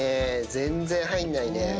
全然入んないね。